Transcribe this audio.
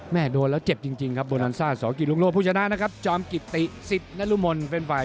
แม่โดนแล้วเจ็บจริงครับโบนัลซ่าสหกิตรุงโลดผู้ชนะนะครับจอมกิตติสิทธิ์และรุมลแฟนไฟ